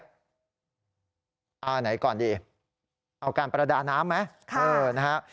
อ่าไหนก่อนดีเอาการปรดาน้ำไหมค่ะเออนะฮะ